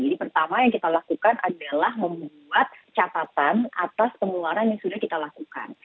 jadi pertama yang kita lakukan adalah membuat catatan atas pengeluaran yang sudah kita lakukan